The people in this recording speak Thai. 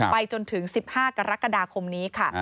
ไปจนถึง๑๕กรกฎาคมนี้ค่ะ